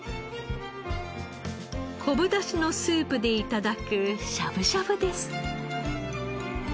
昆布ダシのスープで頂くしゃぶしゃぶです。